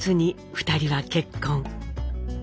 ２人は結婚。